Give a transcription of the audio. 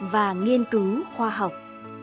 và nghiên cứu khoa học